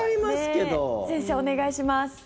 先生、お願いします。